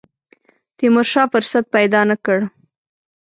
تیمورشاه فرصت پیدا نه کړ.